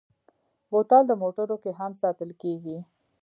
بوتل د موټرو کې هم ساتل کېږي.